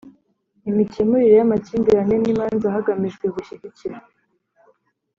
Imikemurire y amakimbirane n imanza hagamijwe gushyigikira